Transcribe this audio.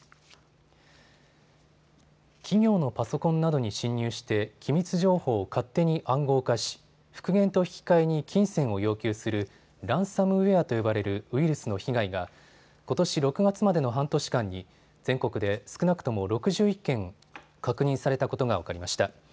企業のパソコンなどに侵入して機密情報を勝手に暗号化し、復元と引き換えに金銭を要求するランサムウエアと呼ばれるウイルスの被害がことし６月までの半年間に全国で少なくとも６１件確認されたことが分かりました。